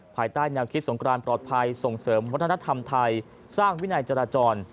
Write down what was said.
ภายใต้แนวคิดสงครานปลอดภัยส่งเสริมวัฒนธรรมไทยสร้างวินัยจราจร